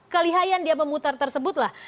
kelihayaan dia memutar tersebutlah